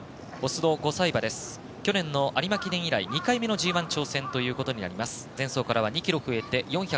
去年の有馬記念以来２回目のＧＩ挑戦ということになります。